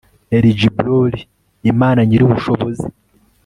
ELGIBBORIMANA NYIRIBUSHOBOZI